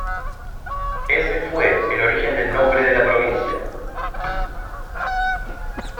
Ese fue el origen del nombre de la provincia.